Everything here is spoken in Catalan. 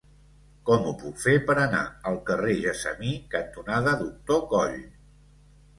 Com ho puc fer per anar al carrer Gessamí cantonada Doctor Coll?